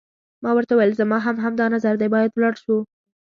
ما ورته وویل: زما هم همدا نظر دی، باید ولاړ شو.